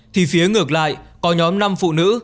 thì phía ngược lại có nhóm năm phụ nữ